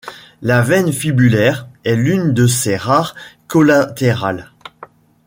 La veine fibulaire est l'une de ses rares collatérales.